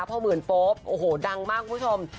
พอหมื่นโป๊บโอ้โหดังมากคุณผู้ชม